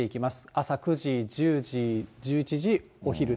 朝９時、１０時、１１時、お昼と。